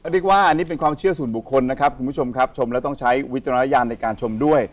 เรียกว่าอันนี้เป็นความเชื่อส่วนบุคคลนะครับคุณผู้ชมครับชมแล้วต้องใช้วิจารณญาณในการชมด้วย